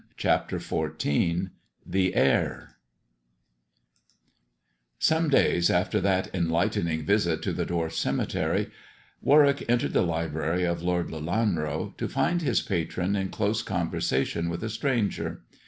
CHAPTER XIV THE HEIR SOME days after that enlightening visit to the dwarfs' cemetery, Warwick entered the library of Lord Lelanro, to find his patron in close conversation with a stranger.